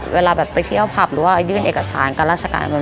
เวลาแบบไปเที่ยวผับหรือว่ายื่นเอกสารกับราชการ